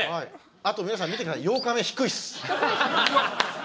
あと皆さん見て下さい８日目低いっす。